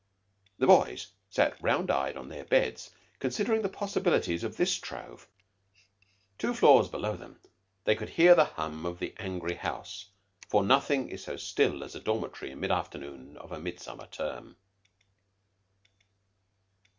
The boys sat round eyed on their beds considering the possibilities of this trove. Two floors below them they could hear the hum of the angry house; for nothing is so still as a dormitory in mid afternoon of a midsummer term.